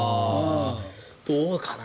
どうかな。